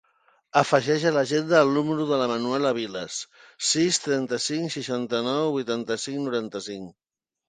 Afegeix a l'agenda el número de la Manuela Vilas: sis, trenta-cinc, seixanta-nou, vuitanta-cinc, noranta-cinc.